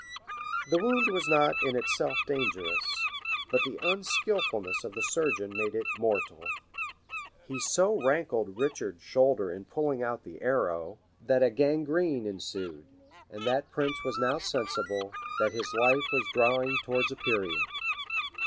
[] The wound was not in itself dangerous; but the unskilfulness of the surgeon made it mortal; he so rankled Richard's shoulder in pulling out the arrow, that a gangrene ensued; and that prince was now sensible that his life was drawing towards a period.